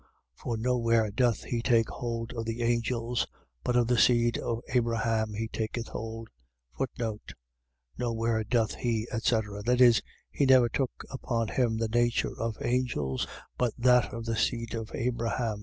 2:16. For nowhere doth he take hold of the angels: but of the seed of Abraham he taketh hold. No where doth he, etc. . .That is, he never took upon him the nature of angels, but that of the seed of Abraham.